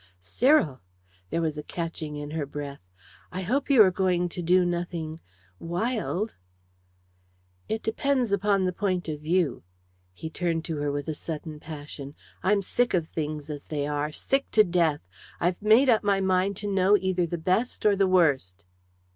"Cyril!" There was a catching in her breath. "I hope you are going to do nothing wild." "It depends upon the point of view." He turned to her with sudden passion. "I'm sick of things as they are sick to death! I've made up my mind to know either the best or the worst."